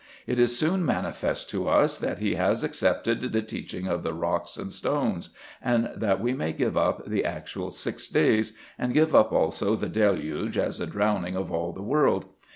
It is soon manifest to us that he has accepted the teaching of the rocks and stones, and that we may give up the actual six days, and give up also the deluge as a drowning of all the world.